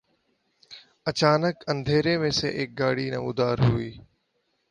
اچانک اندھیرے میں سے ایک گاڑی نمودار ہوئی